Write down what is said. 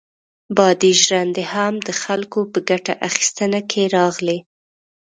بادي ژرندې هم د خلکو په ګټه اخیستنه کې راغلې.